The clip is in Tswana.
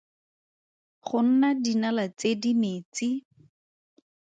Go nna dinala tse di metsi.